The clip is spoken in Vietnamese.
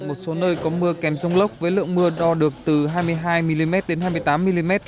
một số nơi có mưa kèm rông lốc với lượng mưa đo được từ hai mươi hai mm đến hai mươi tám mm